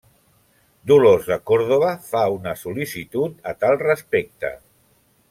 Dolors de Córdoba fa una sol·licitud a tal respecte.